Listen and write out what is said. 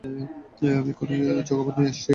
আমি এক্ষুণি চকোবার নিয়ে আসছি।